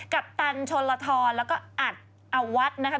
กัปตันโชลทรแล้วก็อัดอวัดนะคะ